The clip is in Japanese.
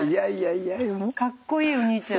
かっこいいおにいちゃん。